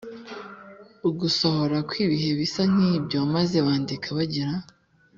ugusohora kw’ibihe bisa nk’ibyo maze bandika bagira